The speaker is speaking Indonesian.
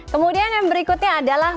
kemudian yang berikutnya adalah